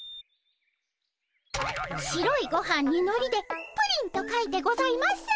白いごはんにのりで「プリン」と書いてございます。